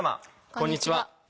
こんにちは。